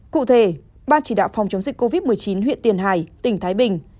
cụ thể ban chỉ đạo phòng chống dịch covid một mươi chín huyện tiền hải tỉnh thái bình